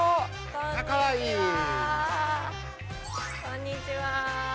こんにちは。